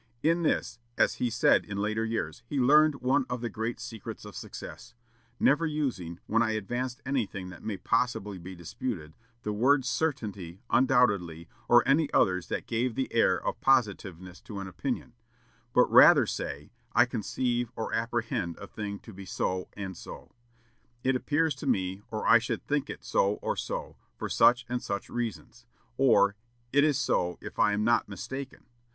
In this, as he said in later years, he learned one of the great secrets of success; "never using, when I advanced anything that may possibly be disputed, the words certainly, undoubtedly, or any others that give the air of positiveness to an opinion; but rather say, I conceive or apprehend a thing to be so and so; it appears to me, or I should think it so or so, for such and such reasons; or, it is so, if I am not mistaken....